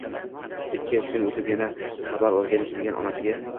Ikki-uch kun o`tib yana xabar olgani kelgan onasiga